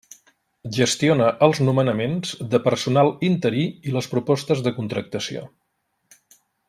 Gestiona els nomenaments de personal interí i les propostes de contractació.